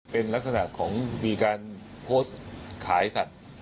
เป็นลักษณะของมีการโพสต์ขายสัตว์